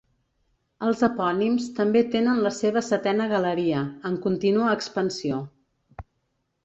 Els epònims també tenen la seva setena galeria, en continua expansió.